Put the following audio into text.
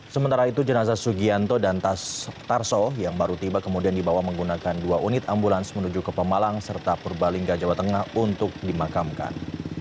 sementara itu jenazah sugianto dan tas tarso yang baru tiba kemudian dibawa menggunakan dua unit ambulans menuju ke pemalang serta purbalingga jawa tengah untuk dimakamkan